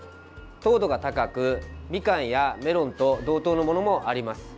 糖度が高く、みかんやメロンと同等のものもあります。